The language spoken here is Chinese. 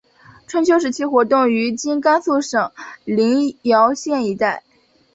春秋时期活动于今甘肃省临洮县一带。